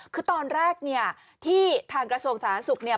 คือตอนแรกเนี่ยที่ทางกระทรวงสาธารณสุขเนี่ย